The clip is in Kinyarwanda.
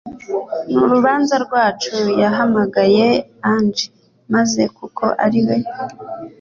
nurubanza rwacu yahamagaye angel maze kuko ariwe